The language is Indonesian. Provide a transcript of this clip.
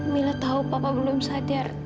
mila tahu papa belum sadar